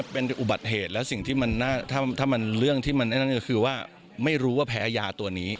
เป็นอุบัติเหตุแล้วสิ่งที่ถ้ามันเรื่องที่มันนั่นก็คือว่าไม่รู้ว่าแพ้ยาตัวนี้